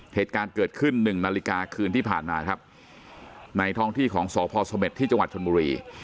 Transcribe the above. เหตุการณ์เกิดขึ้นหนึ่งนาฬิกาคืนที่ผ่านมาครับในท้องที่ของสพสเม็ดที่จังหวัดชนบุรี